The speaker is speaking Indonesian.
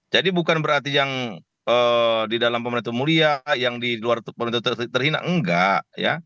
jadi bukan berarti yang di dalam pemerintah itu mulia yang di luar pemerintah itu terhina enggak